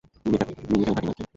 মিমি এখানেই থাকে নাকি?